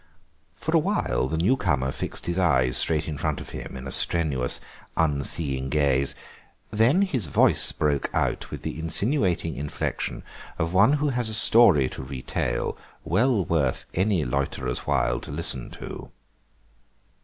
For a while the new comer fixed his eyes straight in front of him in a strenuous, unseeing gaze; then his voice broke out with the insinuating inflection of one who has a story to retail well worth any loiterer's while to listen to.